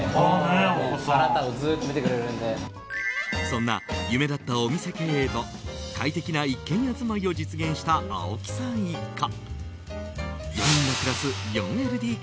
そんな夢だったお店経営と快適な一軒家住まいを実現した青木さん一家。